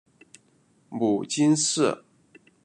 母金氏。